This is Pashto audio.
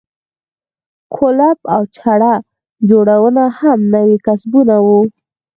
کولپ او چړه جوړونه هم نوي کسبونه وو.